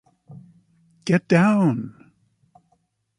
Get down!